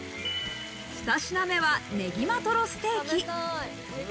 二品目は、ねぎまトロステーキ。